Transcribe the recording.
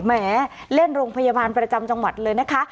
แหมเล่นโรงพยาบาลประจำจังหวัดเลยนะคะ